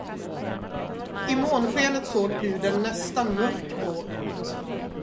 I månskenet såg pudeln nästan mörkblå ut.